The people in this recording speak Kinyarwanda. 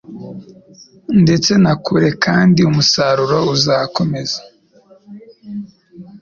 ndetse na kure, kandi umusaruro uzakomeza